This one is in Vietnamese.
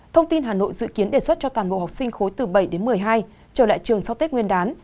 thông tin hà nội dự kiến đề xuất cho toàn bộ học sinh khối từ bảy đến một mươi hai trở lại trường sau tết nguyên đán